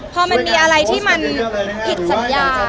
พอมันมีอะไรที่มันผิดสัญญา